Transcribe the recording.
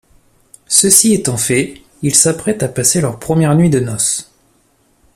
Ceci étant fait, ils s'apprêtent à passer leur première nuit de noces.